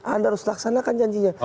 anda harus laksanakan janjinya